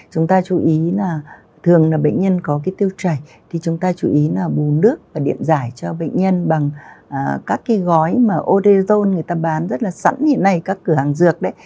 chúng ta chú ý là thường là bệnh nhân có cái tiêu chảy thì chúng ta chú ý là bù nước và điện giải cho bệnh nhân bằng các cái gói mà odazone người ta bán rất là sẵn hiện nay các cửa hàng dược đấy